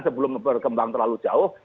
sebelum berkembang terlalu jauh